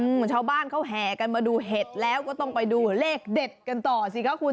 เหมือนชาวบ้านเขาแห่กันมาดูเห็ดแล้วก็ต้องไปดูเลขเด็ดกันต่อสิคะคุณ